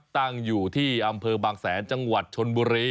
ตั้งอยู่ที่อำเภอบางแสนจังหวัดชนบุรี